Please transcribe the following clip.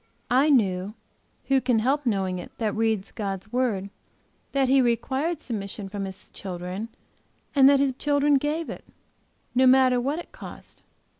I knew who can help knowing it that reads God's word? that he required submission from His children and that His children gave it, no matter what it cost.